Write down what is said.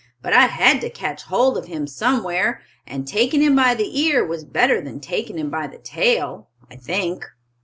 "But I had to catch hold of him somewhere, and taking him by the ear was better than taking him by the tail, I think."